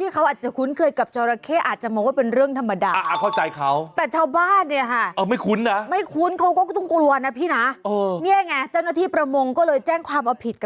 พี่กรกเทหลุดไม่ใช่หมาแมวหลุดค่ะพี่ครับ